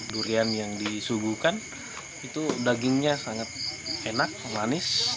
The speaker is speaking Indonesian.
durian yang disuguhkan itu dagingnya sangat enak manis